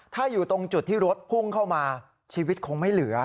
ถ้าอยู่ตรงจุดที่รถพุ่งเข้ามาชีวิตคงไม่เหลือ